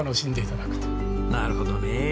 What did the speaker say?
なるほどね。